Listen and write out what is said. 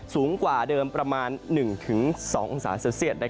สูงกว่าเดิมประมาณ๑๒องศาเซลเซียต